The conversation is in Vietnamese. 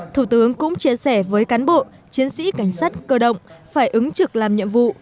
thủ tướng cũng chia sẻ với cán bộ chiến sĩ cảnh sát cơ động phải ứng trực làm nhiệm vụ